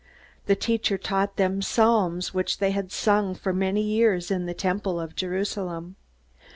The teacher taught them psalms which had been sung for many years in the Temple of Jerusalem.